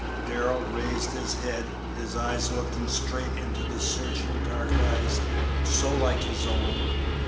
Darrell raised his head, his eyes looking straight into the searching dark eyes, so like his own.